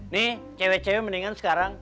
nih cewe cewe mendingan sekarang